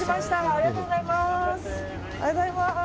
ありがとうございます。